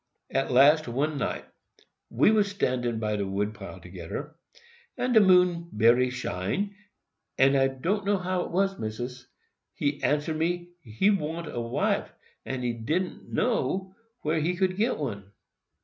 "At last, one night, we was standin' by de wood pile togeder, and de moon bery shine, and I do'no how 't was, Missis, he answer me, he wan't a wife, but he didn't know where he get one.